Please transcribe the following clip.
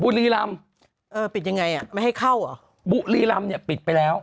บุรีรำเออปิดยังไงอ่ะไม่ให้เข้าเหรอบุรีรำเนี่ยปิดไปแล้ว